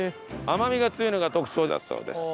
甘みが強いのが特徴だそうです。